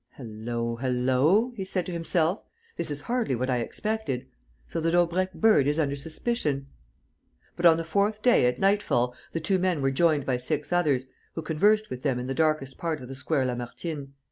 "Hullo, hullo!" he said to himself. "This is hardly what I expected. So the Daubrecq bird is under suspicion?" But, on the fourth day, at nightfall, the two men were joined by six others, who conversed with them in the darkest part of the Square Lamartine.